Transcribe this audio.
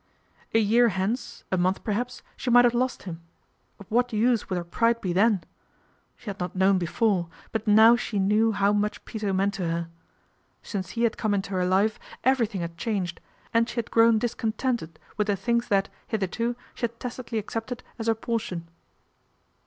A year hence, a month perhaps, she might have lost him. Of what use would her pride be then ? She had not known before ; but now she knew how much Peter meant to her. Since he had come into her life everything had changed, and she had grown discontented with the things that, hitherto, she had tacitly accepted as her portion.